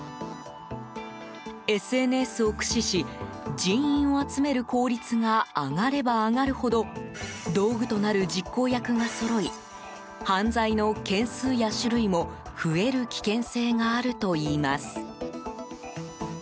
ＳＮＳを駆使し人員を集める効率が上がれば上がるほど道具となる実行役がそろい犯罪の件数や種類も増える危険性があるといいます。